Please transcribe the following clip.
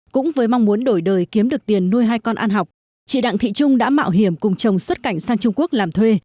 cũng với mong muốn đổi đời kiếm được tiền nuôi hai con ăn học chị đặng thị trung đã mạo hiểm cùng chồng xuất cảnh sang trung quốc làm thuê